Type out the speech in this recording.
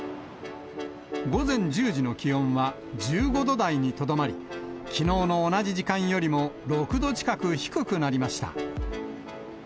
午前１０時の気温は１５度台にとどまり、きのうの同じ時間よりも６度近く低くなりました。